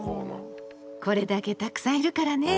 これだけたくさんいるからね。